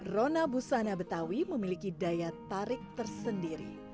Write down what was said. rona busana betawi memiliki daya tarik tersendiri